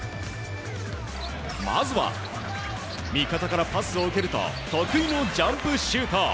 まずは、味方からパスを受けると得意のジャンプシュート。